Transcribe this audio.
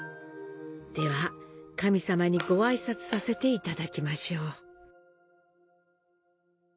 では、神様にご挨拶させていただきましょう。